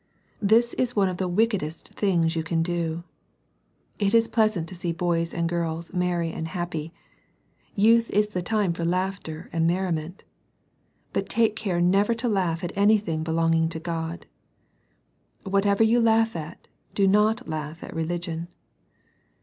This is one of the wickedest things you can do. It is pleasant to see boy^ and girls merry and happy. Youth is the time for laughter and merriment. But take care never to laugh at anything belonging to God. Whatever you laugh at, do not laugh at religion.